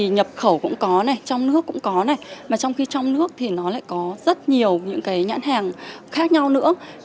nhập khẩu cũng có trong nước cũng có trong nước có rất nhiều nhãn hàng khác nhau nữa